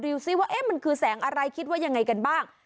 ซิว่ามันคือแสงอะไรคิดว่ายังไงกันบ้าง